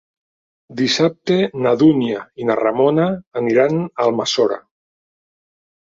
Dissabte na Dúnia i na Ramona aniran a Almassora.